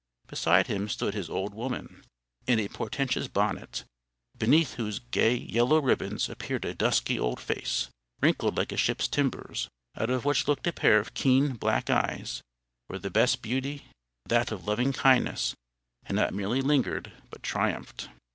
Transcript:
Beside him stood his old woman, in a portentous bonnet, beneath whose gay yellow ribbons appeared a dusky old face, wrinkled like a ship's timbers, out of which looked a pair of keen black eyes, where the best beauty, that of loving kindness, had not merely lingered, but triumphed.